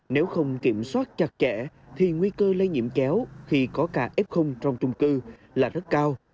nếu không kiểm soát chặt chẽ thì nguy cơ lây nhiễm chéo khi có ca f trong trung cư là rất cao